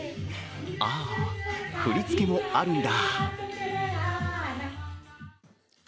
ああ、振り付けもあるんだ。